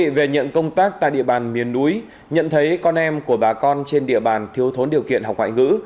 thưa quý vị về nhận công tác tại địa bàn miền núi nhận thấy con em của bà con trên địa bàn thiếu thốn điều kiện học ngoại ngữ